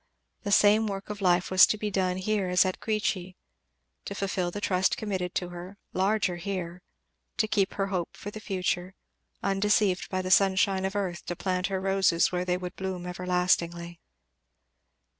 The same work of life was to be done here as at Queechy. To fulfil the trust committed to her, larger here to keep her hope for the future undeceived by the sunshine of earth to plant her roses where they would bloom everlastingly.